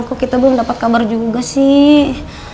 kok kita belum dapat kabar juga sih